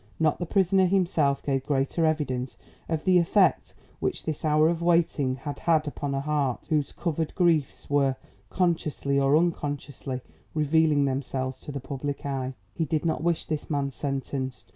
Not the prisoner himself gave greater evidence of the effect which this hour of waiting had had upon a heart whose covered griefs were, consciously or unconsciously, revealing themselves to the public eye. He did not wish this man sentenced.